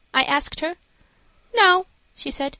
I asked her. "No," she said.